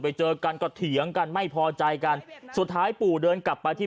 ไปเจอกันก็เถียงกันไม่พอใจกันสุดท้ายปู่เดินกลับไปที่